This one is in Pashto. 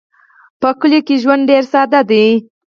په کلیو کې ژوند ډېر ساده دی.